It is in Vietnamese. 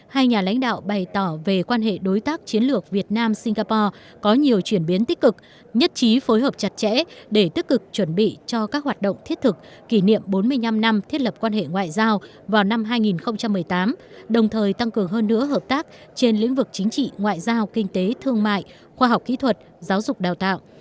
hai nhà lãnh đạo bày tỏ về quan hệ đối tác chiến lược việt nam singapore có nhiều chuyển biến tích cực nhất trí phối hợp chặt chẽ để tích cực chuẩn bị cho các hoạt động thiết thực kỷ niệm bốn mươi năm năm thiết lập quan hệ ngoại giao vào năm hai nghìn một mươi tám đồng thời tăng cường hơn nữa hợp tác trên lĩnh vực chính trị ngoại giao kinh tế thương mại khoa học kỹ thuật giáo dục đào tạo